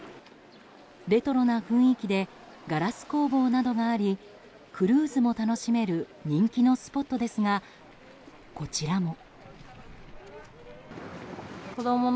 レトロな雰囲気でガラス工房などがありクルーズも楽しめる人気のスポットですがこちらも。